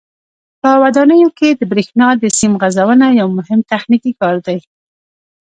په ودانیو کې د برېښنا د سیم غځونه یو مهم تخنیکي کار دی.